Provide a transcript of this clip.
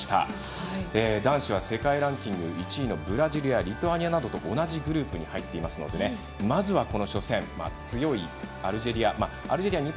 男子は世界ランキング１位のブラジルやリトアニアなどと同じグループに入っていますのでまず、この初戦強いアルジェリアですが。